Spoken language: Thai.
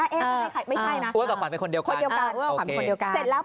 ไม่ใช่นะอ้วนกับขวัญเป็นคนเดียวกัน